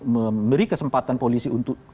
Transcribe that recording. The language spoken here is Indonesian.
memberi kesempatan polisi untuk